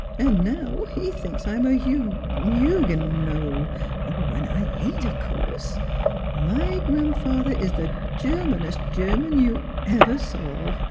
" And now he thinks I'm a Hug Hug er no; an' I ain't, of course. My grandfather is the Germanest German you ever saw.